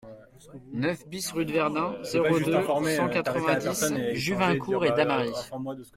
neuf BIS rue de Verdun, zéro deux, cent quatre-vingt-dix, Juvincourt-et-Damary